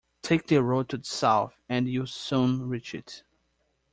Take the road to the South and you will soon reach it.